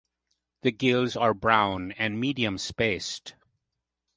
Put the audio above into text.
The gills are brown and medium spaced.